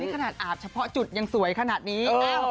ขนาดอาบเฉพาะจุดยังสวยขนาดนี้